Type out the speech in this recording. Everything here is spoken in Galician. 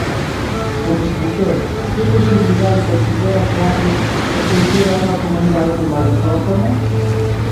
Como escritor, que posibilidade considera que abre pertencer a unha comunidade como a lusófona?